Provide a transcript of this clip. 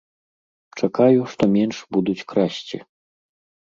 Чакаю, што менш будуць красці.